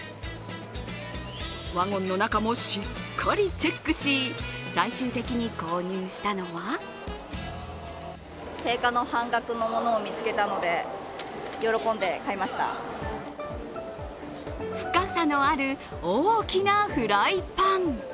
ワゴンの中もしっかりチェックし、最終的に購入したのは深さのある大きなフライパン。